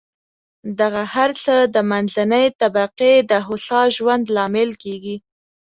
دغه هر څه د منځنۍ طبقې د هوسا ژوند لامل کېږي.